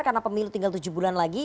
karena pemilu tinggal tujuh bulan lagi